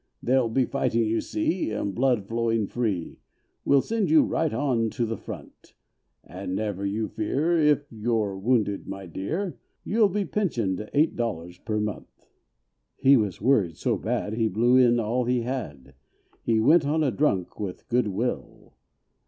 There'll be fighting, you see, and blood flowing free, We'll send you right on to the front; And never you fear, if you're wounded, my dear, You'll be pensioned eight dollars per month." He was worried so bad, he blew in all he had; He went on a drunk with goodwill.